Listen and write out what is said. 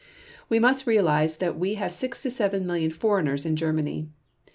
. We must realize that we have 6 7 million foreigners in Germany